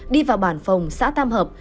đi vào bản phòng xã tam hợp